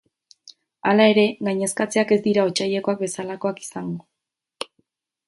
Hala ere, gainezkatzeak ez dira otsailekoak bezalakoak izango.